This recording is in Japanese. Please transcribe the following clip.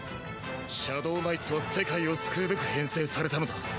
シャドウナイツは世界を救うべく編成されたのだ。